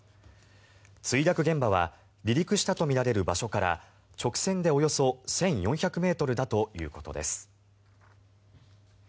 墜落現場は離陸したとみられる場所から直線でおよそ１４００ｍだということです。